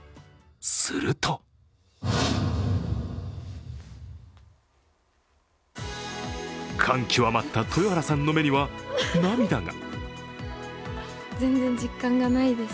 すると感極まった豊原さんの目には涙が。